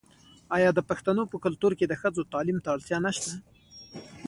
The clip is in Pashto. آیا د پښتنو په کلتور کې د ښځو تعلیم ته اړتیا نشته؟